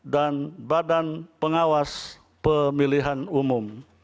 dan badan pengawas pemilihan umum